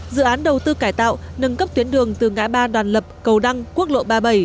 dự án đầu tư cải tạo nâng cấp tuyến đường từ ngã ba đoàn lập cầu đăng quốc lộ ba mươi bảy